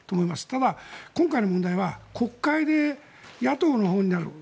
ただ、今回の問題は国会で野党のほうになる。